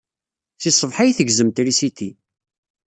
Seg ṣṣbaḥ ay tegzem trisiti.